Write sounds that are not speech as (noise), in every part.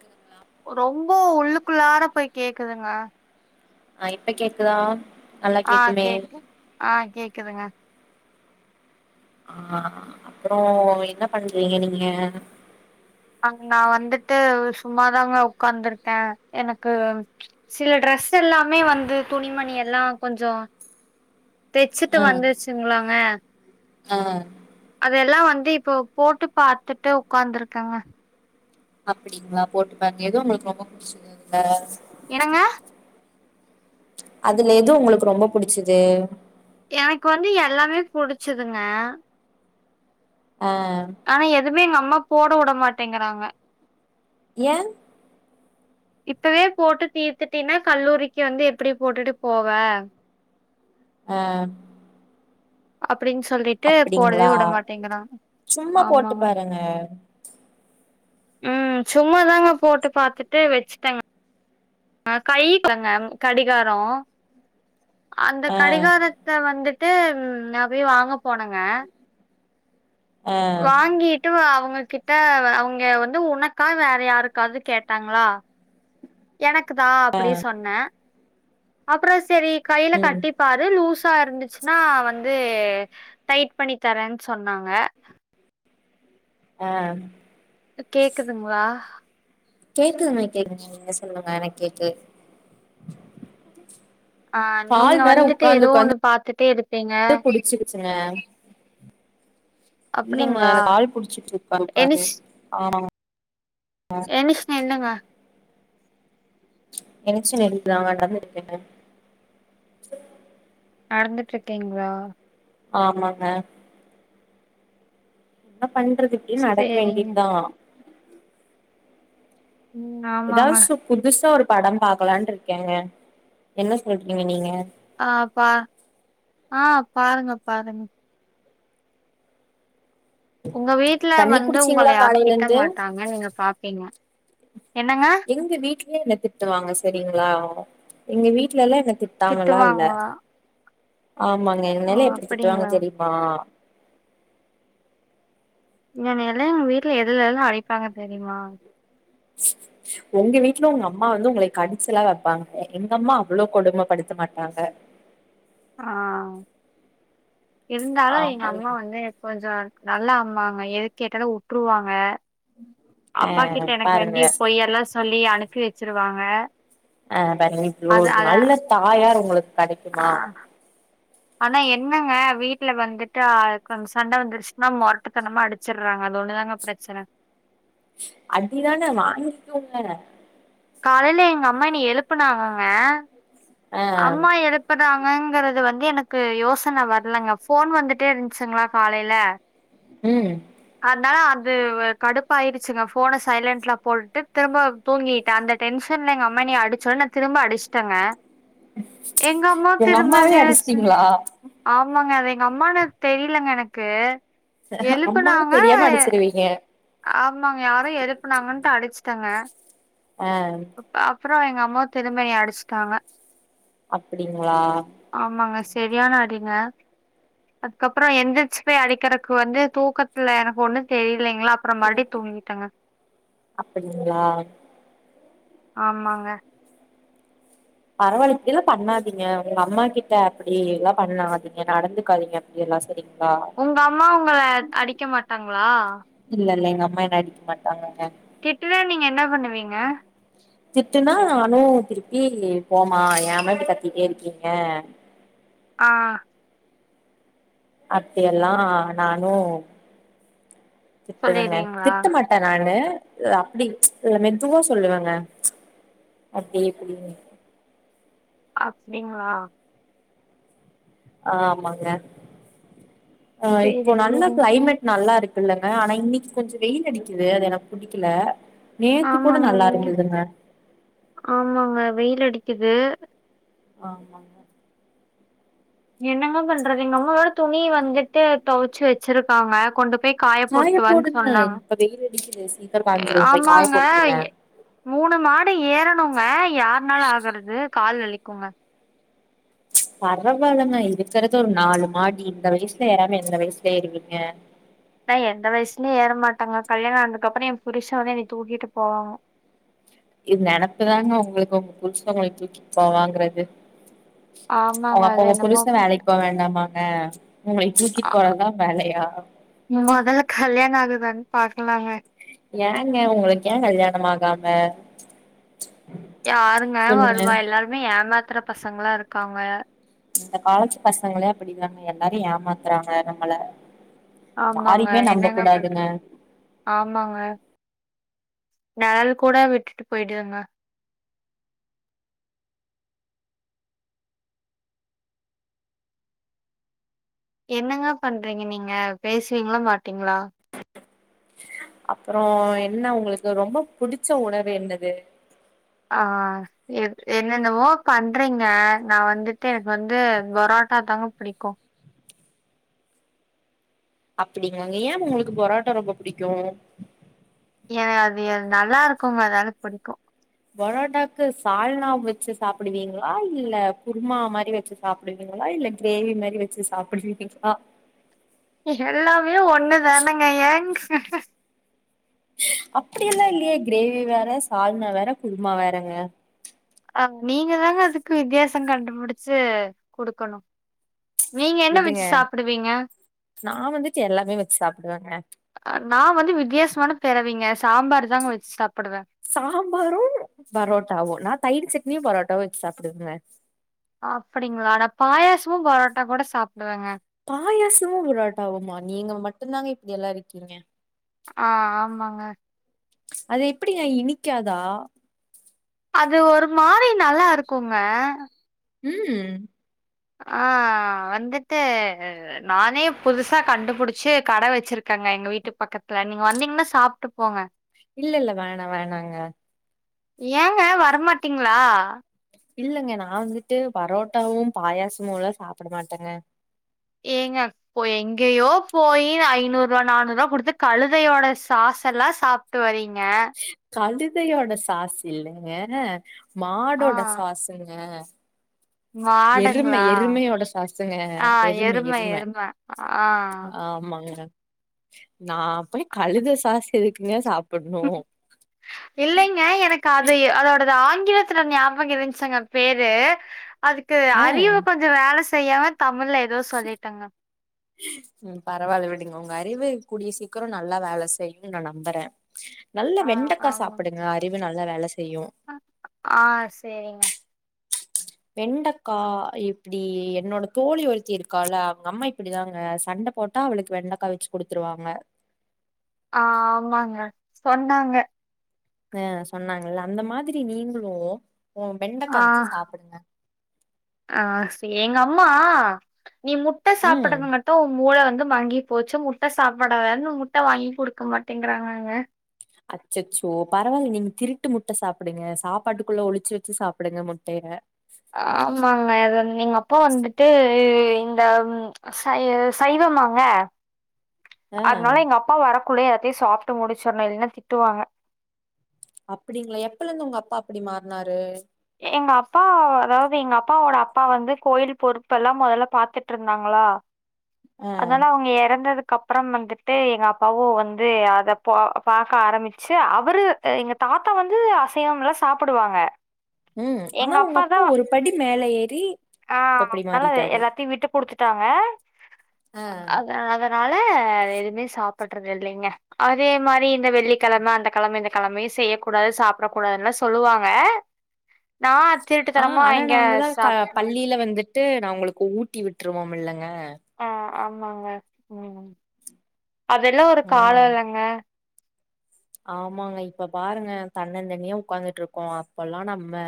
கிதுங்ளா ரொம்ப உள்ளுக்குள்ளார போய் கேக்குதுங்க ஆ இப்ப கேக்குதா நல்லா ஆ கேக்குமே கேக்கு ஆ கேக்குதுங்க ஆ அப்புறோ என்ன பண்றீங்க நீங்க அ நா வந்துட்டு சும்மாதாங்க உக்காந்துர்க்கே எனக்கு சில ட்ரெஸ் எல்லாமே வந்து துணிமணி எல்லா கொஞ்சோ தெச்சுட்டு ஆ வந்துர்ச்சுங்ளாங்க ஆ அதெல்லா வந்து இப்போ போட்டு பாத்துட்டு உக்காந்திருக்கேங்க அப்டிங்ளா போட்டு பார்ங்க எது உங்ளுக்கு ரொம்ப புச்சுகிதுங்க என்னங்க அதுல எது உங்களுக்கு ரொம்ப புடிச்சுது எனக்கு வந்து எல்லாமே புடிச்சுதுங்க ஆ ஆனா எதுமே எங்க அம்மா போட வுடமாட்டேங்கிறாங்க ஏ இப்பவே போட்டு தீத்துட்டீனா கல்லூரிக்கு வந்து எப்பிடி போட்டுட்டு போவே ஆ அப்டின் சொல்லிட்டு போடவே அப்டிங்களா வுடமாட்டேங்கிறாங் சும்மா போட்டு ஆமாங்க பாருங்க ம் சும்மா தாங்க போட்டு பாத்துட்டு வெச்சுடேங்க ஆ கை தாங்க கடிகாரொ அந்த ஆ கடிகாரத் த வந்துட்டு ம் நா போய் வாங்க போனங்க ஆ வாங்கிட் டு அவங்ககிட்ட அவங்க வந்து உனக்கா வேற யாருக்காது கேட்டாங்களா எனக்கு தா அப்டி சொன்ன அப்றோ செரி கையில ம் கட்டிப்பாரு லூஸா இருந்துச்சு னா வந்து டைட் பண்ணித் தரன்னு சொன்னாங்க ஆ கேக்குதுங்களா கேக்குதுங்க கேக்குது நீங்க சொல்லுங்க எனக் கேக்கு ஆ கால் நீங்க வந்துட்டு ஏதோ ஒண்ணு பாத்துட்டே எடுப்பீங்க (unintelligible) புடிச்சுருச்சுங்க இல்லங்க அப்டிங்களா எனக்கு ஆள் புடிச்சு எனிஷ் (unintelligible) ஆ ஆ என்னிச்சு நின்னுங்க (unintelligible) நடந்துற்றுக்க நடந்துட்டுருக்கிங்களா ஆமாங்க என்ன பண்றது இப்டியே நடக்க சேரிங்க. வேண்டிதா ம் ஆமாங்க. ஏதாவது சு புதுசா ஒரு படம் பாக்கலான்னுட்டுருக்கேங்க என்ன சொல்றீங்க நீங்க ஆ பா ஆ பாருங்க பாருங்க உங்க வீட்டுல தண்ணி வந்து உங்கள குடிச்சீங்களா யாரு காலையில திட்ட இருந்து மாட்டாங்க நீங்க பாப்பீங்க என்னங்க எங்க வீட்லயு என்ன திட்டுவாங்க செரிங்களா எங்க வீட்ல எல்லா என்ன திட் திட்டுவாங்களா ஆமாங்க ஓ! என்னைலா எப்பிடி திட்டுவாங்க அப்படிங்களா? தெரியுமா என்ன எல்லா எங்க வீட்டுல எதுல எல்லா அடிப்பாங்க தெரியுமா உங்க வீட்ல உங்க அம்மா வந்து உங்களைய வந்து கடிச்சில்லா வப்பாங்க எங்க அம்மா அவ்ளோ கொடுமப்படுத்த மாட்டாங்க ஆ இருந்தாலு எங்க ஆமாங்க அம்மா வந்து கொஞ்சோ நல்லா அம்மாங்க எதுக்கு கேட்டாலு வுட்டுருவாங்க ஆ அப்பா கிட்ட எனக்கு வேண்டி பாருங்க பொய்யெல்லா சொல்லி அனுப்பி வச்சிருவாங்க அ பாருங்க இவ்ளோ நல்ல தாயார் உங்களுக்கு ஆ கெடைக்குமா (inaudible) ஆனா என்னங்க வீட்ல வந்துட்டு அது கொஞ்ச சண்ட வந்துருச்சுனா மொரருட்டத்தனமா அடிச்சடறாங்க அது ஒன்னு தாங்க பிரச்சன அடிதான வாங்கிகோங்க காலைல எங்க அம்மா என்னை எழுப்பனாங்கங்க அம்மா எழுப் பனாகங்கறது வந்து எனக்கு யோசன வரலங்க போன் வந்துட்டே இருந்துச்சுங்களா காலைல ம் அதனால அது கடுப்பாயிருச்சுங்க ஃபோன சைலன்ட்ல போட்டுட்டு திரும்ப தூங்கிட்ட அந்த டென்ஷன்ல எங்க அம்மா என்ன அடிச்சொன்ன நா திரும்ப அடிச்சுட்டேங்க எங்கம்மா உங்க திரும்ப அம்மாவே என்ன அடிச்சாங்க அடிச்சிட்டீங்களா ஆமாங்க அது எங்க அம்மானு தெரிலங்க எனக்கு அம்மான்னு எழுப்பனாங்க தெரியாம அடிச்சிருவீங்க ஆமாங்க யாரோ எழுப்பனாங்கன்ட்டு அடிச்சுடேங்க அ அப்றோ எங்க அம்மா திரும்ப என்னை அடிச்ட்டாங்க அப்படிங்களா ஆமாங்க செரியான அடிங்க அதுக்கப்றோ எந்திரிச்சு போயி அடிக்கறக்கு வந்து தூக்கத்துல எனக்கு ஒண்ணு தெரியலேங்களா அப்றோ மறுபிடி தூங்கிட்டேங்க அப்டிங்களா ஆமாங்க பரவாயில்ல இப்டில்லா பண்ணாதீங்க உங்க அம்மா கிட்ட அப்டி எல்லா பண்ணாதீங்க நடந்துக்காதீங்க எல்லா சரிங்களா உங்க அம்மா உங்கள அடிக்க மாட்டாங்களா இல்ல இல்ல எங்க அம்மா என்ன அடிக்க மாட்டாங்கங்க திட்டுனா நீங்க என்ன பண்ணுவீங்க திட்டுனா நானு திருப்பி போமா ஏமா இப்டி கத்திட்டே இருக்கீங்க ஆ அப்டியல்லா நானு திட்டுவேங்க சொல்லிருவீங்களா திட்ட மாட் டே நானு அப்டி மெதுவா சொல்லுவேங்க அப்டி இப்டி அப்டிங்களா ஆமாங்க ஆ இப்போ சேரி நல்ல சேரி கிளைமேட் நல்லா இருக்குல்லங்க ஆனா இன்னைக்கு கொஞ்ச வெயில் அடிக்குது அது எனக்கு புடிக்கல நேத்து கூட ஆமாங்க நல்லா வெயில் இருந்துதுங்க ஆமாங்க வெயில் அடிக்குது ஆமாங் என்னங்க பண்றது எங்க அம்மா வேற துணி வந்துட்டு துவச்சு வெச்சிருக்காங்க கொண்டு போய் காய போட்டு வானு போடுங்க சொன்னாங்க இப்ப வெயில் அடிக்குது சீக்கிரோ காஞ்சிரு போய் காய ஆமாங்க போட்ருங்க மூணு மாடி ஏறணுங்க யார்னால ஆகறது கால் வலிக்குங்க பரவால்லங்க இருக்கறது ஒரு நாலு மாடி இந்த வயசுல ஏறாம எந்த வயசுல ஏறுவீங்க நா எந்த வயசுலயு ஏற மாட்டங்க கல்யாண ஆனதுக்கப்றோ என் புருஷ வந்து என்னை தூக்கிட்டு போவாங்க இது நினப்புதாங்க உங்களுக்கு உங்க புருச உங்கள தூக்கிட்டு போவாங்கறது அவ ஆமாங்க அப்ப அது உங்க என்னமோ புருஷ வேலைக்கு போக வேண்டாமா ஆ உங்களை தூக்கிட்டு போறதுதா வேலையா முதல்ல கல்யாண ஆகுதான்னு பாக்கலாங்க ஏங்க உங்களுக்கு ஏ கல்யாணம் ஆகாம யாருங்க சொல்லுங்க வருவா எல்லாருமே ஏமாத்தற பசங்களா இருக்காங்க இந்த காலத்து பசங்களே அப்டிதாங்க எல்லாரையு ஏமாத்தறாங்க நம்மள ஆமாங்க யாரையுமே என்னங்க நம்பகூடாதுங்க பண்றது ஆமாங்க நிழல் கூட விட்டுட்டு போயிடுதுங்க என்னங்க பண்றீங்க நீங்க பேசுவீங்களா மாட்டீங்களா அப்புற என்ன உங்களுக்கு ரொம்ப புடிச்ச உணவு என்னது ஆ என் என்னென்னவோ பண்றீங்க நான் வந்துட்டு எனக்கு வந்து பரோட்டா தாங்க பிடிக்கு அப்படிங்களாங்க ஏ உங்களுக்கு பொரோட்டா ரொம்ப பிடிக்கு ஏ அது நல்லா இருக்குங்க அதால பிடிக்கு பரோட்டாக்கு சால்னா வச்சு சாப்பிடுவீங்களா இல்ல குருமா மாரி வச்சு சாப்பிடுவீங்களா இல்ல கிரேவி மாரி வெச்சு சாப்பிடுவீங்களா எல்லாமே ஒண்ணுதானங்க ஏங்க அப்படியெல்லா இல்லையே கிரேவி வேற சால்னா வேற குருமா வேறங்க அ நீங்க தாங்க அதுக்கு வித்தியாசம் கண்டுபிடிச்சு குடுக்கணும் நீங்க என்ன விடுங்க வெச்சு சாப்பிடுவீங்க எம்மி வச்சு சாப்பிடுவாங்க நான் வந்து வித்தியாசமான பெறவீங்க சாம்பார் தாங்க வச்சு சாப்பிடுவேன் சாம்பாரும் பரோட்டாவும் நான் தயிர் சட்னியும் பரோட்டாவும் வச்சு சாப்பிடுவேங்க அப்டிங்களா நா பாயசமும் பரோட்டா கூட சாப்பிடுவேங்க பாயசமும் பரொட்டாவுமா நீங்க மட்டும்தாங்க இப்படி எல்லாம் இருக்கீங்க ஆ ஆமாங்க அது எப்படிங்க இனிக்காதா அது ஒரு மாரி நல்லாருக்கொங்க ம் ஆ வந்துட்டு நானே புதுசா கண்டுபுடிச்சு கட வச்சிருக்கேங்க எங்க வீட்டு பக்கத்துல நீங்க வந்தீங்கன்னா சாப்ட்டு போங்க இல்ல இல்ல வேணாம் வேணாங்க ஏங்க வரமாட்டீங்களா இல்லங்க நான் வந்துட்டு பரோட்டாவும் பாயாசமும்லாம் சாப்பிட மாட்டேங்க ஏங்க இப்ப எங்கேயோ போயி ஐநூறு ரூவா நானூறு ரூபா குடுத்து கழுதையோட சாஸ்லாம் சாப்ப விட்டு வரீங்க கழுதையோட சாசு இல்லங்க ஆ மாடோட சாசுங்க எருமை மாடுங்களா எருமையோட சாசங்க எருமை எரும ஆ ஆமாங்க நா போய் கழுத சாச எதுக்குங்க சாப்பிடணும் ஆ இல்லைங்க எனக்கு அது அதோடது ஆங்கிலத்துல ஞாபகம் இருஞ்சங்க பேரு அதுக்கு ஆ அறிவு கொஞ்ஜோம் வேல செய்யாம தமிழ்ல ஏதோ சொல்லிட்டங்க ம் பரவாயில விடுங்க உங்க அறிவு கூடிய சீக்கிரம் நல்லா வேல செய்யும்னு நான் நம்புறன் நல்லா ஆ வெண்டக்கா ஆமாங்க சாப்பிடுங்க அறிவு நல்லா வேல செய்யும் ஆ செரிங்க வெண்டக்கா எப்டி என்னோட தோழி ஒருத்தி இருக்கால அவங்க அம்மா இப்டிதாங்க சண்ட போட்டா அவளுக்கு வெண்டக்காய் வெச்சு கொடுத்துருவாங்க ஆ ஆமாங்க சொன்னாங்க ஆ சொன்னாங்கல்ல அந்த மாதிரி நீங்ளும் வெண்டக்க வச்சு ஆ சாப்பிடுங்க ஆ செ எங்க அம்மா நீ முட்ட ம் சாப்படுது மட் டும் உ மூள வந்து மங்கி போச்சு முட்ட சாப்படாதனு முட்டை வாங்கி குடுக்க மாட்டேங்கிறாங்காங்க அச்சச்சஓ பரவால்ல நீங்க திருட்டு முட்ட சாப்பிடுங்க சாப்பாட்டுக்குள்ள ஒழிச்சு வச்சு சாப்புடுங்க முட்டய ஆமாங்க எங்க அப்பா வந்துட்டு இந்த சை சைவமாங்க ஆ அதனால எங்க அப்பா வரக்குள்ள எலாத்தையும் சாப்பிட்டு முடிச்சடனு இல்லன்னா திட்டுவாங்க அப்படிங்களா எப்பல இருந்து உங்க அப்பா அப்டி மாறனாரு எங்க அப்பா அதாவது எங்க அப்பாவோட அப்பா வந்து கோயில் பொறுப்பு எல்லாம் மொதல்ல பாத்துட்டு இருந்தாங்களா ஆ அதுல அவங்க இறந்ததுக்கு கப்பறம் வந்துட்டு எங்க அப்பாவோ வந்து அத போ பாக்க ஆரம்பிச்சு அவரு த எங்க தாத்தா வந்து அசைவம்ல சாப்டுவாங்க ம் ஆனா எங்க உங்க அப்பா தான் ஒரு படி மேல ஏறி ஆ இப்ப இப்டி நல்ல மாறிட்டாரு எல்லாத்தையும் விட்டு குடுத்து ட்டாங்க அத அதனால எதுமே சாப்பிடறது இல்லீங்க அதே மாரி இந்த வெள்ளிக்கழம அந்த கழம இந்த கழமயும் செய்யக் கூடாது சாப்படக் கூடாதுல்லா சொல்லுவாங்க நான் ஆ ஆனா நாங்கதான் பள்ளியில வந்துட்டு நா உங்களுக்கு ஊட்டி விட்ருவோம் இல்லைங்க ஆ ஆமாங்க ம் அதெல்லாம் ஒரு காலோ ம் இல்லங்க ஆமாங்க இப்ப பாருங்க தன்ன தனியே உட்காந்துட்டு இருக்கோம் அப்பல்லாம் நம்ம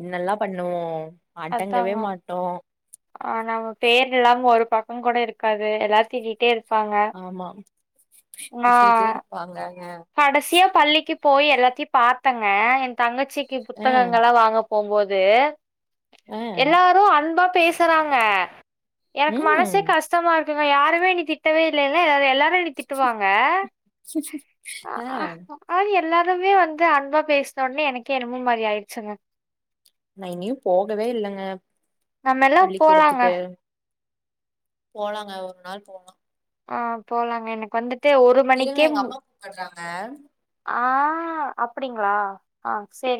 என்னல்லாம் பண்ணுவோம் அடங்கவே அதாங்க மாட்டோம் ஆ நம்ம பேர் இல்லாம ஒரு பக்கம் கூட இருக்காது எல்லாரும் திட்டிட்டே இருப்பாங்க ஆமாம் திட்டிட்டே இருப்பாங்கங்க கடசியா பள்ளிக்கு போய் எல்லாத்தையும் பாத்தேங்க என் தங்கச்சிக்கு ஆ புத்தகங்கள்லாம் வாங்க போம்போது ஆ எல்லாரும் அன்பா பேசறாங்க எனக்கு ம் மனசே கஷ்டமா இருக்குங்க யாருமே என்ன திட்டவே இல்ல என்ன எல்லாரும் எல்லாரும் என்ன திட்டுவாங்க ஆ அ ஆ எல்லாருமே வந்து அன்பா பேசின உடனே எனக்கே என்னமோ மாரி ஆயிடுச்சுங்க நான் இனியும் போகவே இல்லங்க நம்ம எல்லாம் போலாங்க பள்ளிக்கூடத்துக்கு போலாங்க ஒரு நாள் போலாம் ஆ போலாங்க எனக்கு வந் இருங்க எங்க அம்மா கூப்பறாங்க ஆ அப்டிங்களா ஆ சேர்